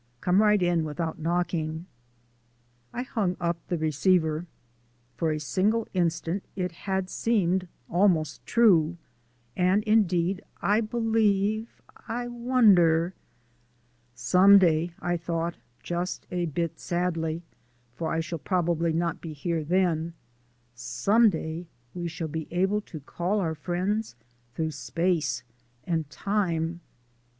Come right in without knocking." I hung up the receiver. For a single instant it had seemed almost true, and indeed I believe I wonder Some day, I thought, just a bit sadly, for I shall probably not be here then some day, we shall be able to call our friends through space and time.